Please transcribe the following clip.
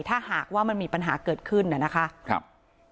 ถ้าหากว่ามันมีปัญหาเกิดขึ้นน่ะนะคะครับ